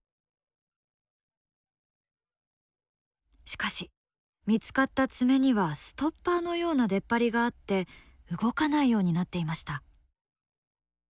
しかし見つかった爪にはストッパーのような出っ張りがあって動かないようになっていました。